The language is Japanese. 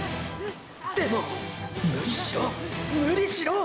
でも無理しろ無理しろ！！